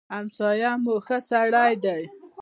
همسايه مو ښه سړی دی.